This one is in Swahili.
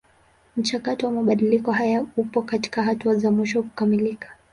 Mchakato wa mabadiliko haya upo katika hatua za mwisho kukamilika.